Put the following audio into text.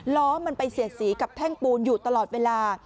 ล้อมันไปเสียดสีกับแท่งปูนอยู่ตลอดเวลา